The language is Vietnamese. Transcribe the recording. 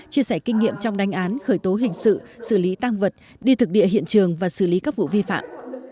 chia sẻ kinh nghiệm trong đánh án khởi tố hình sự xử lý tang vật đi thực địa hiện trường và xử lý các vụ vi phạm